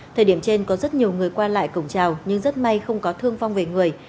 thời điểm trên có rất nhiều người qua lại cổng trào nhưng rất may không có thương vong về người